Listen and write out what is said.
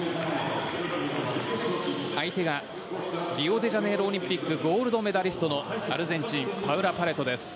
相手がリオデジャネイロオリンピックゴールドメダリストのアルゼンチンパウラ・パレトです。